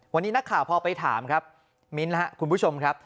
วันนี้นักข่าวพอไปถามครับมิ้นท์นะครับคุณผู้ชมครับ